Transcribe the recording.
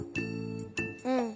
うん。